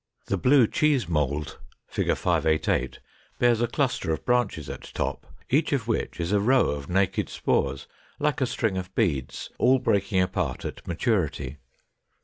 The blue Cheese Mould (Fig. 588) bears a cluster of branches at top, each of which is a row of naked spores, like a string of beads, all breaking apart at maturity.